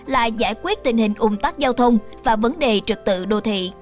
là giải quyết tình hình ủng tắc giao thông và vấn đề trực tự đô thị